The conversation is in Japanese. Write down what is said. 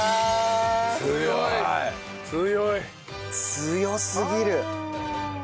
強すぎる！